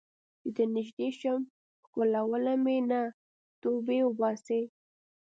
چې درنږدې شم ښکلوې مې نه ، توبې وباسې